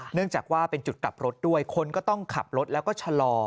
เนื่องจากว่าเป็นจุดกลับรถด้วยคนก็ต้องขับรถแล้วก็ชะลอ